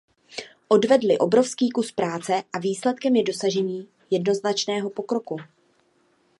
Odvedly obrovský kus práce a výsledkem je dosažení jednoznačného pokroku.